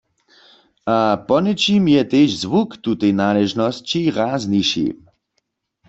A poněčim je tež zwuk w tutej naležnosći razniši.